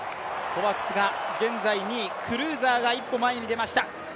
コバクスが現在２位、クルーザーが一歩前に出ました。